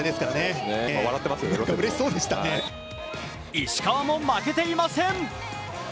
石川も負けていません。